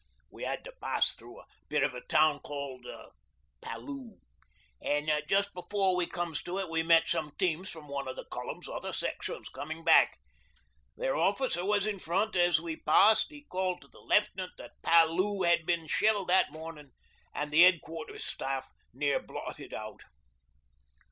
'We had to pass through a bit of a town called Palloo, an' just before we comes to it we met some teams from one of the Column's other sections comin' back. Their officer was in front an' as we passed he called to the Left'nant that Palloo had been shelled that mornin' an' the Headquarter Staff near blotted out.